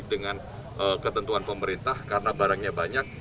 dengan ketentuan pemerintah karena barangnya banyak